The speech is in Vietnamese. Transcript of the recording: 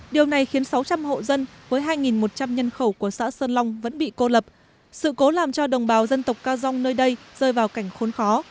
điều này khiến sáu trăm linh hộ dân với hai một trăm linh nhân khẩu của xã sơn long vẫn bị cô lập sự cố làm cho đồng bào dân tộc ca dông nơi đây rơi vào cảnh khốn khó